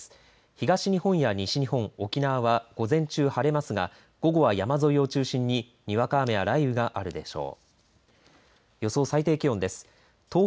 東日本や西日本、沖縄は午前中、晴れますが午後は山沿いを中心ににわか雨や雷雨があるでしょう。